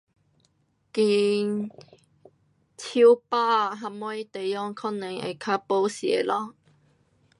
近树芭什么地方可能会较保险咯。